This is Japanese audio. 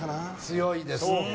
強いですね。